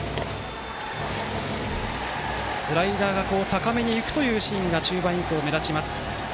スライダーが高めに行くシーンが中盤以降、目立ちます菅井。